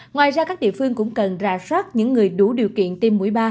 ngoài ra các địa phương cũng cần rà soát những người đủ điều kiện tiêm mũi ba